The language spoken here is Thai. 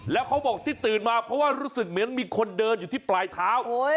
แล้วเขาบอกที่ตื่นมาเพราะว่ารู้สึกเหมือนมีคนเดินอยู่ที่ปลายเท้า